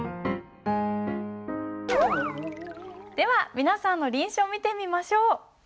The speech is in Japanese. では皆さんの臨書見てみましょう。